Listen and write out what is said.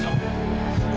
kamu pergi sekarang